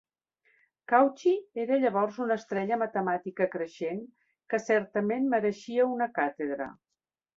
Cauchy era llavors una estrella matemàtica creixent que certament mereixia una càtedra.